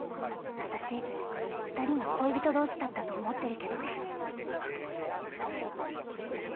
私二人が恋人同士だったと思ってるけどね。